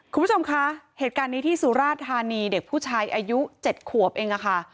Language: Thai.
คุณผู้ชมคะเหตุการณ์นี้ที่สุราธานีเด็กผู้ชายอายุ๗ขวบเองค่ะ